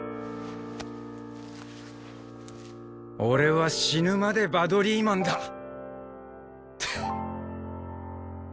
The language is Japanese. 俺は死ぬまでバドリーマンだ！